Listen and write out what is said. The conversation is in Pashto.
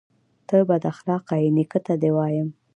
_ته بد اخلاقه يې، نيکه ته دې وايم.